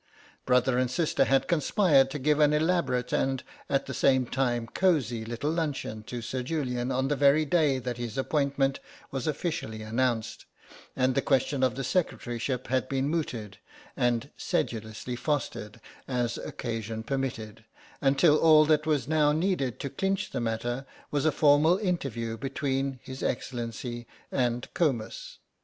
Brother and sister had conspired to give an elaborate and at the same time cosy little luncheon to Sir Julian on the very day that his appointment was officially announced, and the question of the secretaryship had been mooted and sedulously fostered as occasion permitted, until all that was now needed to clinch the matter was a formal interview between His Excellency and Comus.